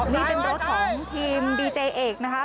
นี่เป็นรถของทีมดีเจเอกนะครับ